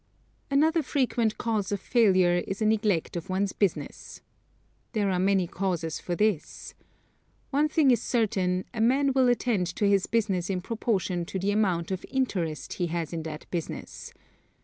Another frequent cause of failure is a neglect of one's business. There are many causes for this. One thing is certain, a man will attend to his business in proportion to the amount of interest he has in that business.